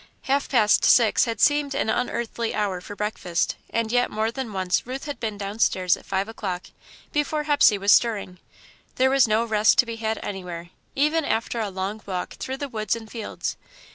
Half past six had seemed an unearthly hour for breakfast, and yet more than once Ruth had been downstairs at five o'clock, before Hepsey was stiring. There was no rest to be had anywhere, even after a long walk through the woods and fields.